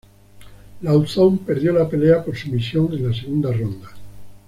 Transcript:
Lauzon perdió la pelea por sumisión en la segunda ronda.